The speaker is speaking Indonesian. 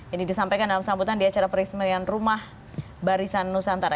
ini disampaikan dalam sambutan di acara perismean rumah barisan nusantara